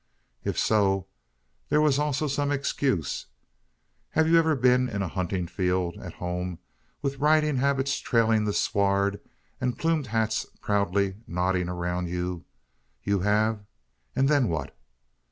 If so, there was also some excuse. Have you ever been in a hunting field, at home, with riding habits trailing the sward, and plumed hats proudly nodding around you? You have: and then what?